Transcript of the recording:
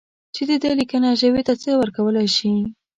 چې د ده لیکنه ژبې ته څه ورکولای شي.